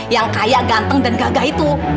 yang kaya ganteng dan gagah itu